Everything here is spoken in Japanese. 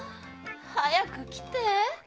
早く来て。